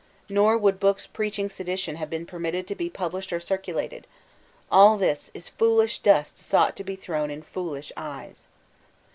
Nor would books preaching sedition have been permitted to be published or circulated. — ^All this is foolish dust sought to be thrown in foolish eyes.